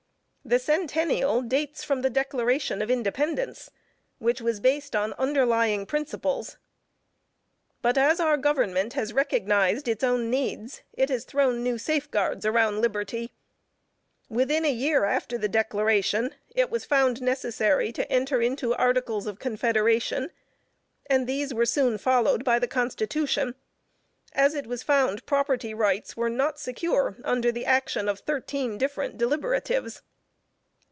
The centennial dates from the declaration of Independence, which was based on underlying principles. But as our government has recognized its own needs, it has thrown new safeguards around liberty. Within a year after the Declaration, it was found necessary to enter into articles of Confederation, and those were soon followed by the Constitution, as it was found property rights were not secure "under the action of thirteen different deliberatives."